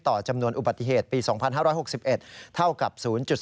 จำนวนอุบัติเหตุปี๒๕๖๑เท่ากับ๐๔